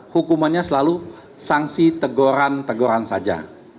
hukumannya selalu sanksi teguran teguran saja